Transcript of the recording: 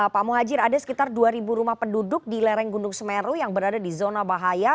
pak muhajir ada sekitar dua rumah penduduk di lereng gunung semeru yang berada di zona bahaya